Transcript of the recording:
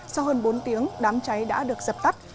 sau hơn bốn tiếng đám cháy đã được dập tắt